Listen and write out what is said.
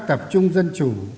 tập trung dân chủ